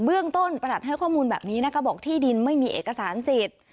เรื่องต้นประหลัดให้ข้อมูลแบบนี้นะคะบอกที่ดินไม่มีเอกสารสิทธิ์